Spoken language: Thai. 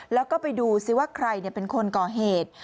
แล้วก็ไปดูซิว่าใครเป็นคนก่อเหตุ